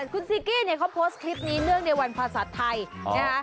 คุณซีกี้เนี่ยเขาโพสต์คลิปนี้เนื่องในวันภาษาไทยนะคะ